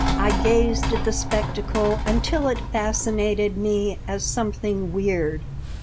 I gazed at the spectacle until it fascinated me as something weird.